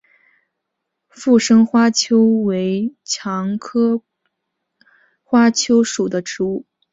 附生花楸为蔷薇科花楸属的植物。